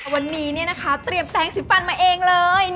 วันนี้เนี่ยนะคะเตรียมแต่งสีฟันมาเองเลย